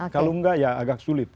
kalau enggak ya agak sulit